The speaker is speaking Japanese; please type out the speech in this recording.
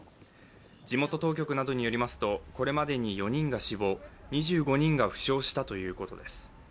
地元当局などによりますとこれまでに４人が死亡２５人が負傷したということです。